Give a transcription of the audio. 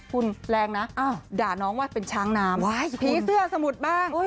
คุณแรงนะด่าน้องว่าเป็นช้างน้ำผีเสื้อสมุดบ้าง